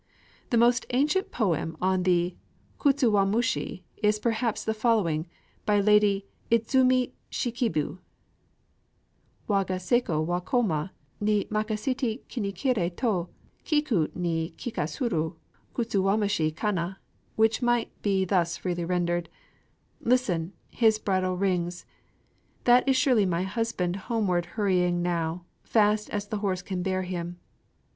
] The most ancient poem on the kutsuwamushi is perhaps the following, by the Lady Idzumi Shikibu: Waga seko wa Koma ni makasété Kinikeri to, Kiku ni kikasuru Kutsuwamushi kana! which might be thus freely rendered: Listen! his bridle rings; that is surely my husband Homeward hurrying now fast as the horse can bear him!...